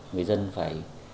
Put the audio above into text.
người dân phải